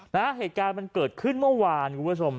เหตุการณ์มันเกิดขึ้นเมื่อวานคุณผู้ชม